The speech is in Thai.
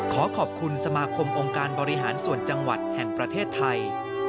ขอขอบคุณสมาคมองค์การบริหารส่วนจังหวัดแห่งประเทศไทย